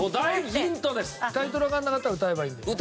タイトルわからなかったら歌えばいいんだよね。